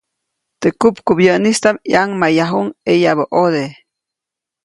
Teʼ kupkubyäʼnistaʼm ʼyaŋmayjayuʼuŋ ʼeyabä ʼode.